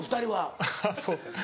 あっそうですね。